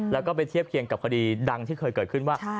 แล้วก็ไปเทียบเคียงกับคดีดังที่เคยเกิดขึ้นว่า